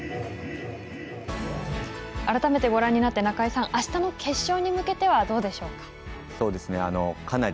改めてご覧になって中井さんあしたの決勝に向けてはどうでしょうか？